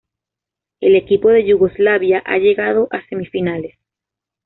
El equipo de Yugoslavia ha llegado a semifinales.